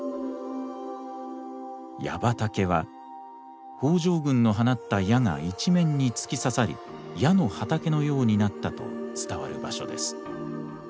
矢畑は北条軍の放った矢が一面に突き刺さり矢の畑のようになったと伝わる場所です。